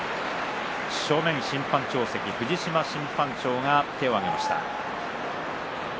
正面審判長席藤島審判長が手を上げました。